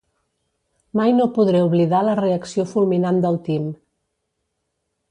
Mai no podré oblidar la reacció fulminant del Tim.